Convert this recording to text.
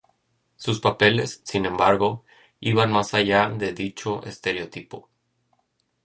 Sus papeles, sin embargo, iban más allá de dicho estereotipo.